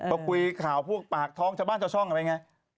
มาคุยข่าวพวกปากท้องชะมัดชะช่องกันไปไง